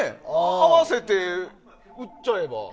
併せて売っちゃえば。